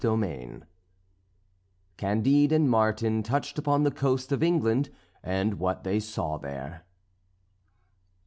XXIII CANDIDE AND MARTIN TOUCHED UPON THE COAST OF ENGLAND, AND WHAT THEY SAW THERE.